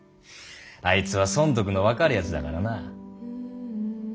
あいつは損得の分かるやつだからな。